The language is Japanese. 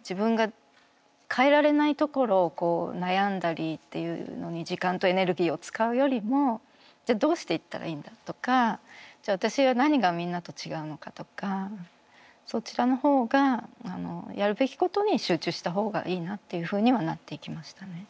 自分が変えられないところを悩んだりっていうのに時間とエネルギーを使うよりもじゃあどうしていったらいいんだとかじゃあ私は何がみんなと違うのかとかそちらのほうがやるべきことに集中したほうがいいなっていうふうにはなっていきましたね。